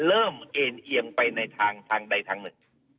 เอ็นเอียงไปในทางใดทางหนึ่ง